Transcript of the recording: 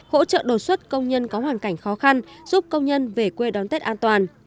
hỗ trợ đột xuất công nhân có hoàn cảnh khó khăn giúp công nhân về quê đón tết an toàn